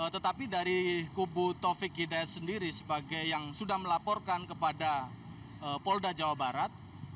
tetapi dari kubu taufik hidayat sendiri sebagai yang sudah melaporkan kepada polda jawa barat